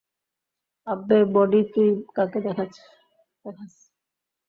আব্বে বডি তুই কাকে দেখাছ!